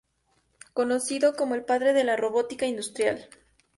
Conocido como el "Padre de la Robótica Industrial".